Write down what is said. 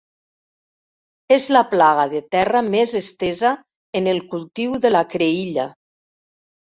És la plaga de terra més estesa en el cultiu de la creïlla.